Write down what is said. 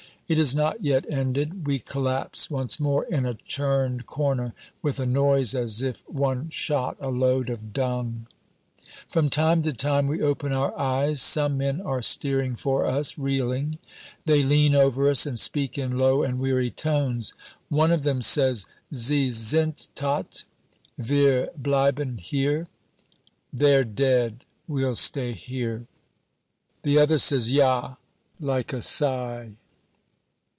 It is not yet ended. We collapse once more in a churned corner, with a noise as if one shot a load of dung. From time to time we open our eyes. Some men are steering for us, reeling. They lean over us and speak in low and weary tones. One of them says, "Sie sind todt. Wir bleiben hier." (They're dead. We'll stay here.) The other says, "Ja," like a sigh.